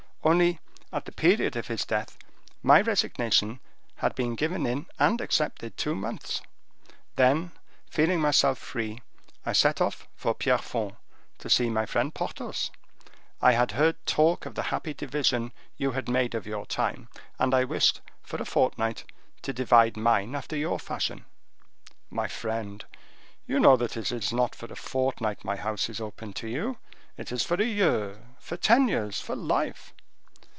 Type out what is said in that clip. Only, at the period of his death, my resignation had been given in and accepted two months. Then, feeling myself free, I set off for Pierrefonds, to see my friend Porthos. I had heard talk of the happy division you had made of your time, and I wished, for a fortnight, to divide mine after your fashion." "My friend, you know that it is not for a fortnight my house is open to you; it is for a year—for ten years—for life."